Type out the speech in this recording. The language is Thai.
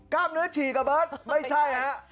กล้ามเนื้อฉีกครับเบิร์ตไม่ใช่ครับ